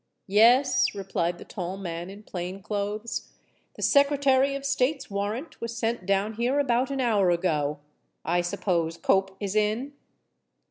"Yes," replied the tall man in plain clothes. "The Secretary of State's warrant was sent down here about an hour ago. I suppose Cope is in?"